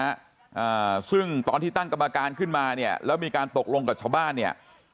อ่าซึ่งตอนที่ตั้งกรรมการขึ้นมาเนี่ยแล้วมีการตกลงกับชาวบ้านเนี่ย